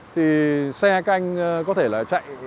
thì xe canh có thể là chạy